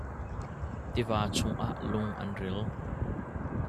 Tiva chungah lung an ril.